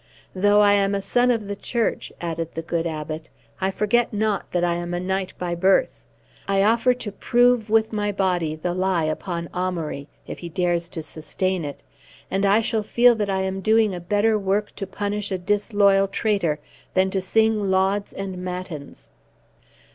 Though I am a son of the Church," added the good Abbot, "I forget not that I am a knight by birth. I offer to prove with my body the lie upon Amaury, if he dares sustain it, and I shall feel that I am doing a better work to punish a disloyal traitor, than to sing lauds and matins."